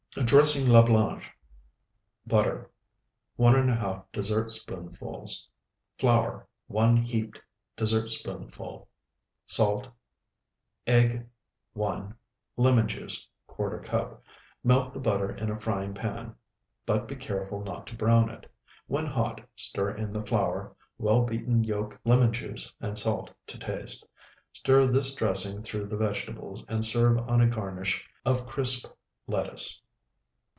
DRESSING LA BLANCHE Butter, 1½ dessertspoonfuls. Flour, 1 heaped dessertspoonful. Salt. Egg, 1. Lemon juice, ¼ cup. Melt the butter in a frying pan, but be careful not to brown it. When hot, stir in the flour, well beaten yolk, lemon juice, and salt to taste. Stir this dressing through the vegetables, and serve on a garnish of crisp lettuce.